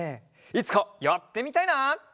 いつかやってみたいな！